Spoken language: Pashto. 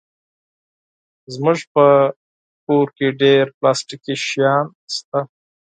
زموږ په کور کې ډېر پلاستيکي شیان شته.